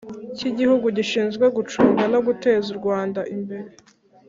cy Igihugu gishinzwe gucunga no guteza u Rwanda imbere